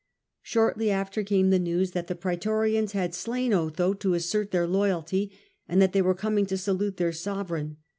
Shortly after came the news that the praetorians had slain Otho to assert their loyalty, and that they were coming to salute their sove reign.